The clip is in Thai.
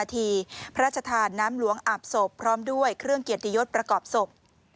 ทีพระราชทานน้ำหลวงอาบศพพร้อมด้วยเครื่องเกียรติยศประกอบศพ